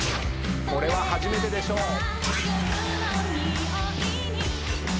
これは初めてでしょう。